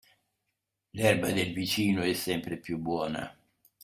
L'erba del vicino è sempre più buona.